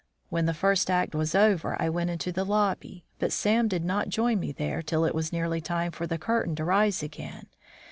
When the first act was over I went into the lobby, but Sam did not join me there till it was nearly time for the curtain to rise again.